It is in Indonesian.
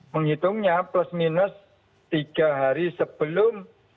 menghitungnya plus minus tiga hari sebelum